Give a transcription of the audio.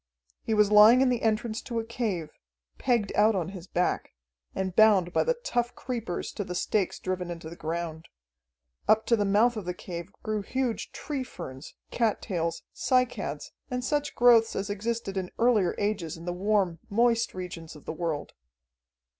He was lying in the entrance to a cave, pegged out on his back, and bound by the tough creepers to the stakes driven into the ground. Up to the mouth of the cave grew huge tree ferns, cattails, cycads, and such growths as existed in earlier ages in the warm, moist regions of the world.